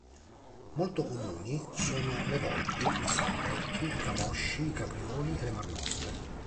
Molto comuni sono le volpi, gli stambecchi, i camosci, i caprioli e le marmotte.